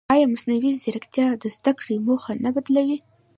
ایا مصنوعي ځیرکتیا د زده کړې موخه نه بدلوي؟